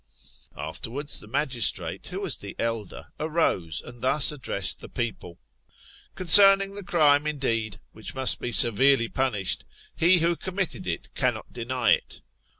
Afterwards, the magistrate who was the elder arose, and thus addressed the people: "Concerning the crime, indeed, ti^hich must be severely punished, he who committed it cannot deny it.